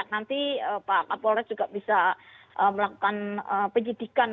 nanti pak kapolres juga bisa melakukan penyidikan